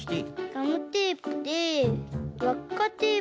ガムテープでわっかテープをつくって。